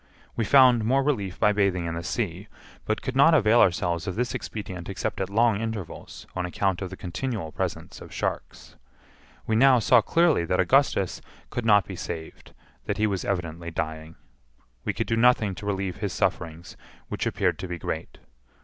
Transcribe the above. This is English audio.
We found more relief by bathing in the sea, but could not avail ourselves of this expedient except at long intervals, on account of the continual presence of sharks. We now saw clearly that Augustus could not be saved; that he was evidently dying. We could do nothing to relieve his sufferings, which appeared to be great.